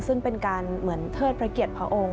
ซึ่งเป็นการเหมือนเทิดพระเกียรติพระองค์